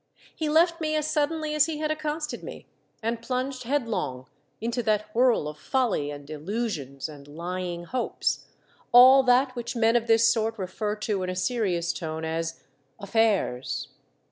He left me as suddenly as he had accosted Three HM7idred Thousand Francs, 2 1 1 me, and plunged headlong into that whirl of folly and illusions and lying hopes, all that which men of this sort refer to in a serious tone as " affairs."